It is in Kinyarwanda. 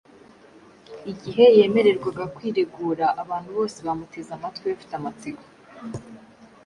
Igihe yemererwaga kwiregura, abantu bose bamuteze amatwi bafite amatsiko.